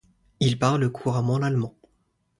Il parle couramment l'allemand.